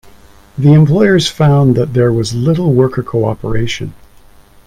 The employers found that there was little worker co-operation.